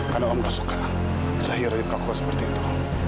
karena om gak suka zahira diperlakukan seperti itu